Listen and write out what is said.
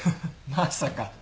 まさか。